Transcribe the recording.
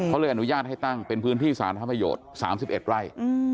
เขาเลยอนุญาตให้ตั้งเป็นพื้นที่สารธรรมประโยชน์๓๑ไร่